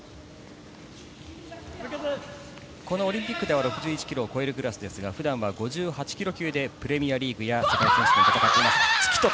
このオリンピックでは６１ｋｇを超えるクラスですが、普段は５８ｋｇ級でプレミアリーグや世界選手権などで戦っています。